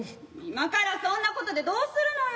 今からそんなことでどうするのよ。